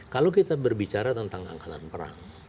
kalau kita berbicara tentang angkatan perang